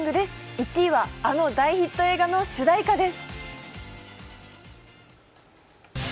１位はあの大ヒット映画の主題歌です。